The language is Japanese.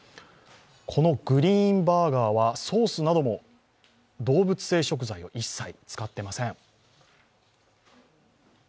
このグリーンバーガーはソースなども動物性食材は一切、使っていません。